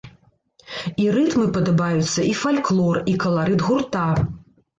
І рытмы падабаюцца, і фальклор, і каларыт гурта.